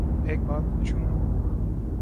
ایک بات پو چوں